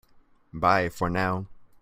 Bye for now!